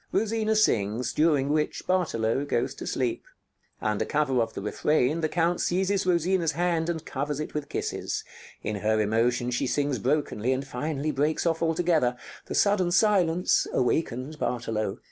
Rosina sings, during which Bartolo goes to sleep. Under cover of the refrain the Count seizes Rosina's hand and covers it with kisses. In her emotion she sings brokenly, and finally breaks off altogether. The sudden silence awakens Bartolo.